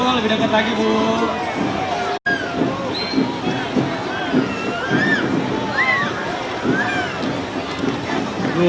lebih dekat lagi bu